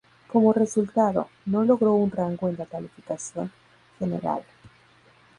Como resultado, no logró un rango en la calificación general.